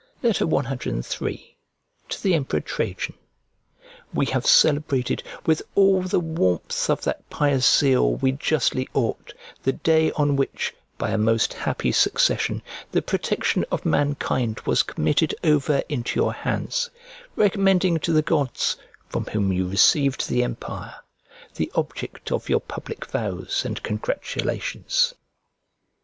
CIII To THE EMPEROR TRAJAN WE have celebrated, with all the warmth of that pious zeal we justly ought, the day on which, by a most happy succession, the protection of mankind was committed over into your hands; recommending to the gods, from whom you received the empire, the object of your public vows and congratulations.